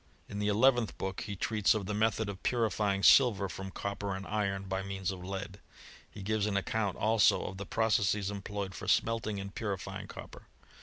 In the eleventh book he treats of the method of puiifying silver from copper and iron, by means of lead. He gives an accoimt also of the processes employed for smelting and purifying copper.